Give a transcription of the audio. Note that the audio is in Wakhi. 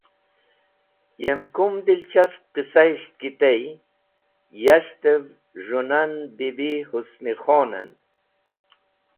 Yem kum dilchasp qisayisht ki tey, yashtev z̃hũ nan Bibi Husni Khon en.